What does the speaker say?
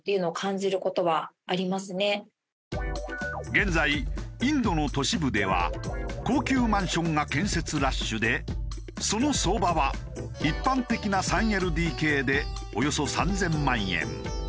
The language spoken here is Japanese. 現在インドの都市部では高級マンションが建設ラッシュでその相場は一般的な３ＬＤＫでおよそ３０００万円。